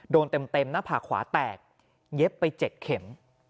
โดนเต็มหน้าผากขวาแตกเย็บไป๗เข็ม